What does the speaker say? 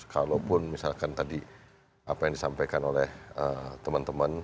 kalaupun misalkan tadi apa yang disampaikan oleh teman teman